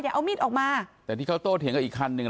เอามีดออกมาแต่ที่เขาโต้เถียงกับอีกคันหนึ่งอ่ะ